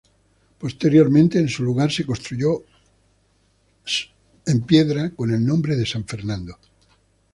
Posteriormente en su lugar se construyó en piedra con el nombre de San Fernando.